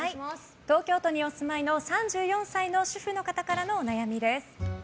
東京都にお住まいの３４歳の主婦の方からのお悩みです。